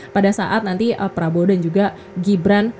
pada saat nanti prabowo dan juga gibran